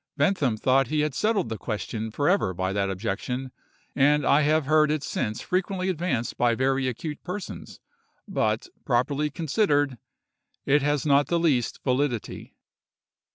Bentham thought he had settled the question for ever by that objection; and I have heard it since frequently advanced by very acute persons; but, properly considered, it has not the least validity.